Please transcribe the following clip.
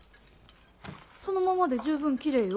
そのままで十分きれいよ。